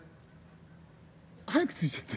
早く着いちゃって。